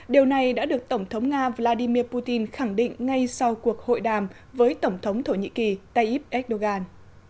điều này đã được tổng thống nga vladimir putin khẳng định ngay sau cuộc hội đàm với tổng thống thổ nhĩ kỳ tayyip erdogan